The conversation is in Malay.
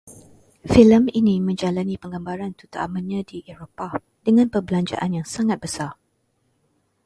Filem ini menjalani penggambaran terutamanya di Eropah, dengan perbelanjaan yang sangat besar